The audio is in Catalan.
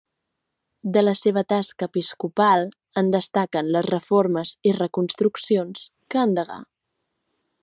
De la seva tasca episcopal en destaquen les reformes i reconstruccions que endegà.